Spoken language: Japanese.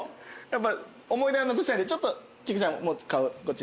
思い出は残したいんでちょっと菊ちゃんもっと顔こっち。